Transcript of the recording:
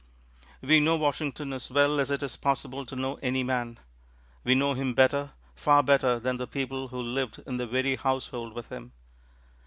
We know Washington as well as it is possible to know any man. We know him better, far better, than the people who lived in the very household with him.